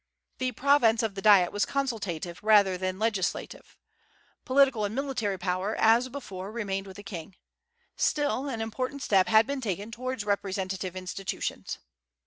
The province of the Diet was consultative rather than legislative. Political and military power, as before, remained with the king. Still, an important step had been taken toward representative institutions.